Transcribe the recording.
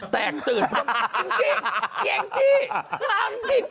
แตกตื่นเพราะว่าจริงจริงยังจี้มังทิ้ง